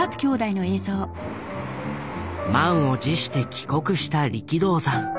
満を持して帰国した力道山。